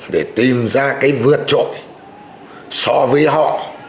để tìm ra cái vượt trội so với họ